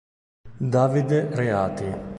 Davide Reati